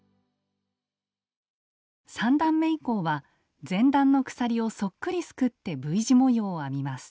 ３段め以降は前段の鎖をそっくりすくってＶ字模様を編みます。